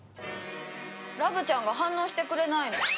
ラブちゃんが反応してくれないの。